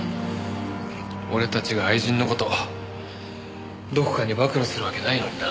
俺たちが愛人の事どこかに暴露するわけないのにな。